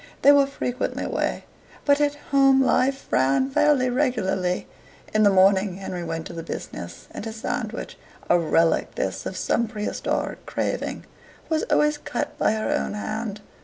They were frequently away, but at home life ran fairly regularly. In the morning Henry went to the business, and his sandwich a relic this of some prehistoric craving was always cut by her own hand.